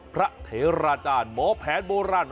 เถราจารย์หมอแผนโบราณ